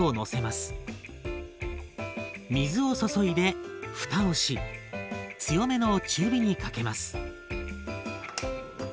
水を注いでふたをし強めの中火にかけます。